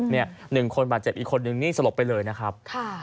หนึ่งคนบาดเจ็บอีกคนนึงนี่สลบไปเลยนะครับ